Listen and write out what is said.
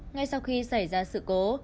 ngay sau khi xảy ra sự cố